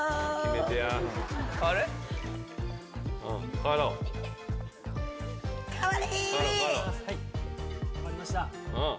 代わりました。